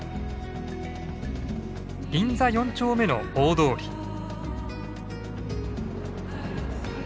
銀座４丁目の大通り。